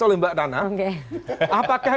oleh mbak dana apakah